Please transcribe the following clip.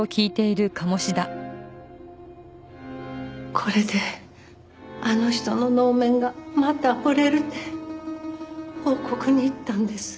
これであの人の能面がまた彫れるて報告に行ったんです。